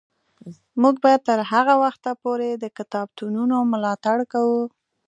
موږ به تر هغه وخته پورې د کتابتونونو ملاتړ کوو.